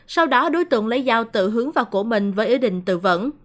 sau đó đối tượng lấy dao tự hướng vào cổ mình với ý định tự vẫn